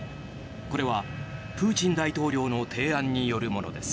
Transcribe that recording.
これはプーチン大統領の提案によるものです。